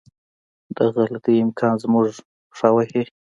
د غلطي امکان زموږ پښه وهي.